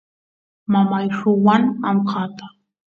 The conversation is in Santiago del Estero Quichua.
mamay ruwan amkata